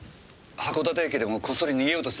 函館駅でもこっそり逃げようとしたんです。